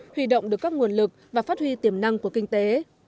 huy động được các nguồn lực và phát huy tiềm năng của kinh tế